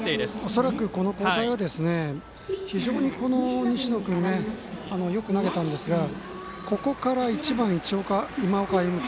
恐らくこの交代は非常に西野君よく投げたんですがここから１番、今岡歩夢君